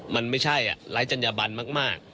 มันไม่ใช่อ่ะหลายจัญบันมาก